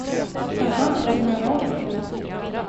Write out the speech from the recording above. Aha, en arab.